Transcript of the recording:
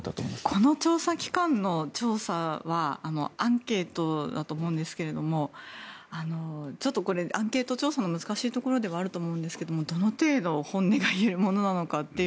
この調査機関の調査はアンケートだと思うんですけどアンケート調査の難しいところではあると思うんですがどの程度本音が言えるものなのかと。